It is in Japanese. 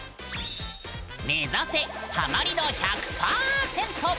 目指せハマり度１００％！